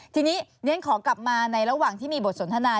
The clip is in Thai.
ทีนี้เรียนขอกลับมาในระหว่างที่มีบทสนทนา